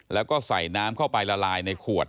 แล้วก็ใส่น้ำเข้าไปละลายในขวด